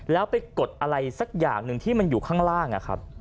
แล้วไปกดอะไรสักอย่างหนึ่งที่มันอยู่ข้างล่าง